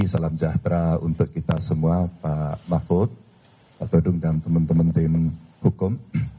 salam sejahtera untuk kita semua pak mahfud pak todung dan teman teman tim hukum